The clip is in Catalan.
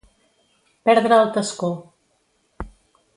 Perdre el tascó.